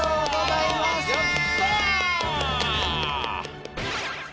やった！